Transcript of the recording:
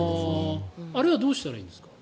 あれはどうしたらいいんですか？